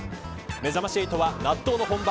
めざまし８は納豆の本場